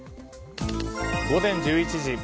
午前１１時。